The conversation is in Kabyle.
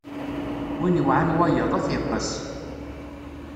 Win iwɛan wayeḍ, ad t-iqqes.